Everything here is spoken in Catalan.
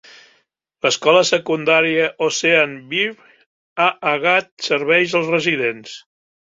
L'escola secundària Oceanview a Agat serveix els residents.